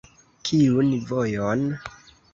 Kiun vojon?